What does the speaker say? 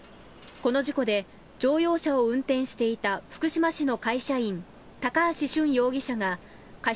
この事故で乗用車を運転していた福島市の会社員高橋俊容疑者が過失